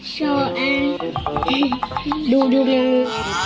ชอออออดูเลย